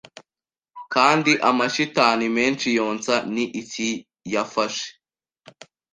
Kandi amashitani menshi yonsa ni iki yafashe